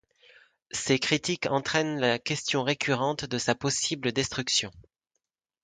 Ces critiques entraînent la question récurrente de sa possible destruction.